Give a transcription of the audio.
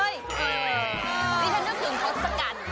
นี่ฉันนึกถึงทศกัณฐ์